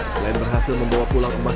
selain berhasil membawa pulang emas